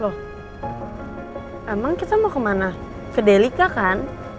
emang kita mau kemana ke delika kan